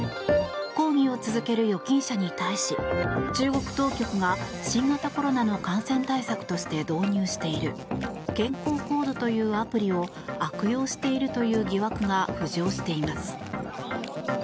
抗議を続ける預金者に対し中国当局が新型コロナの感染対策として導入している健康コードというアプリを悪用しているという疑惑が浮上しています。